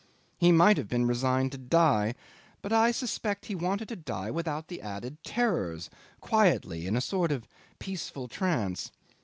He might have been resigned to die but I suspect he wanted to die without added terrors, quietly, in a sort of peaceful trance.